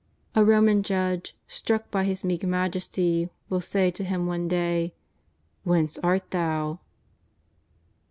A Roman judge, struck by His meek majesty, will say to Him one day :" Whence art Thou